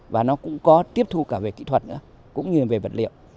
và nó cũng có tiếp thu cả về kỹ thuật nữa cũng như về vật liệu